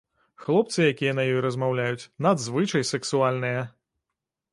Хлопцы, якія на ёй размаўляюць, надзвычай сексуальныя.